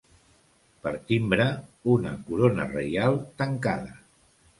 Per timbre, una corona reial tancada.